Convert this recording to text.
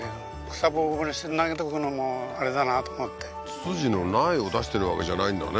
ツツジの苗を出してるわけじゃないんだね